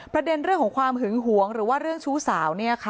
ประเด็นเรื่องของความหึงหวงหรือว่าเรื่องชู้สาว